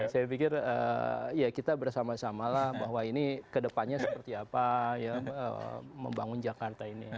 saya pikir ya kita bersama samalah bahwa ini kedepannya seperti apa ya membangun jakarta ini